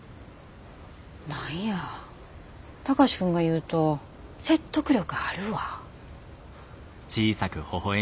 何や貴司君が言うと説得力あるわ。